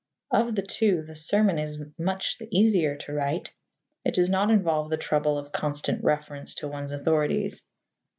Of the two, the sermon is much the easier to write: it does not involve the trouble of constant reference to one's authorities.